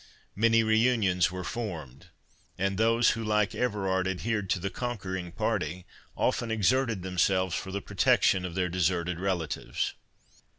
Many reunions were formed; and those who, like Everard, adhered to the conquering party, often exerted themselves for the protection of their deserted relatives.